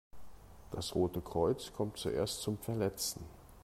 Das Rote Kreuz kommt zuerst zum Verletzten.